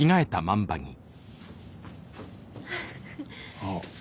あっ。